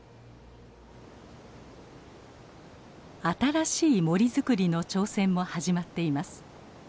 新しい森づくりの挑戦も始まっています。